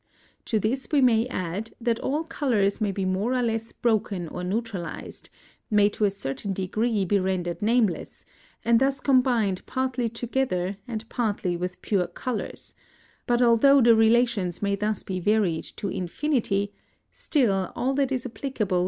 To this we may add that all colours may be more or less broken or neutralised, may to a certain degree be rendered nameless, and thus combined partly together and partly with pure colours; but although the relations may thus be varied to infinity, still all that is applicable with regard to the pure colours will be applicable in these cases.